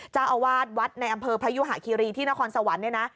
เจ้าอาวาสวัดในอำเภอพยุหะคีรีที่นครสวรรค์เนี่ยนะ